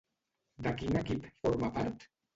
De quin equip forma part?